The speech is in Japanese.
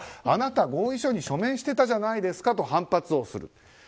あなた同意書に署名してたじゃないですかと反発をする。